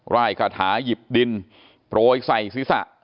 ร่ายกระถาหยิบดินโปรยใส่ศิษย์